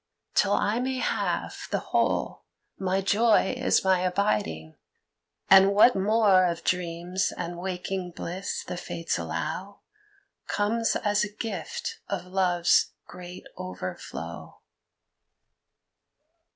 Till I may have the whole My joy is my abiding, and what more Of dreams and waking bliss the Fates allow Comes as a gift of Love's great overflow.